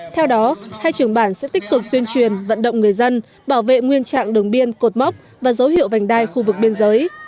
theo đó hai trường bản sẽ tích cực tuyên truyền vận động người dân bảo vệ nguyên trạng đường biên cột mốc và dấu hiệu vành đai khu vực biên giới